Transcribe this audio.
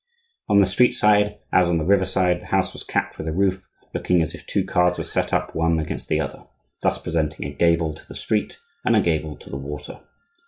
On the street side, as on the river side, the house was capped with a roof looking as if two cards were set up one against the other,—thus presenting a gable to the street and a gable to the water.